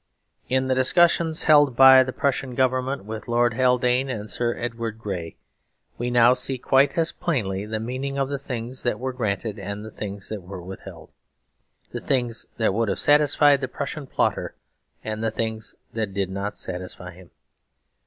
In the discussions held by the Prussian Government with Lord Haldane and Sir Edward Grey we can now see quite as plainly the meaning of the things that were granted and the things that were withheld, the things that would have satisfied the Prussian plotter and the things that did not satisfy him.